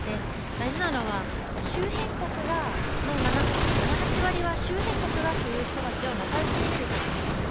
大事なのは７８割が周辺国がその人たちをまた受け入れることになる。